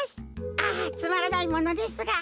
あっつまらないものですが。